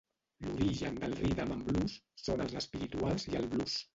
L'origen del rhythm and blues són els espirituals i el blues